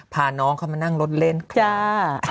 พาน้องเข้ามานั่งรถเล่นจ้า